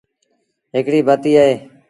هڪڙي بتيٚ اهي۔